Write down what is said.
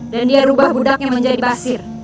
dan dia merubah budaknya menjadi basir